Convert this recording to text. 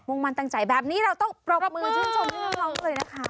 ่งมั่นตั้งใจแบบนี้เราต้องปรบมือชื่นชมพี่น้องเลยนะคะ